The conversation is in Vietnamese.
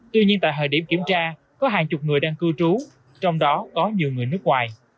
tuy nhiên tại thời điểm kiểm tra có hàng chục người đang cư trú trong đó có nhiều người nước ngoài